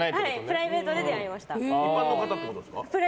プライベートで出会いました。